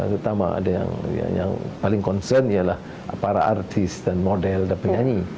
terutama ada yang paling concern ialah para artis dan model dan penyanyi